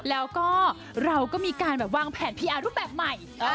กับเพลงที่มีชื่อว่ากี่รอบก็ได้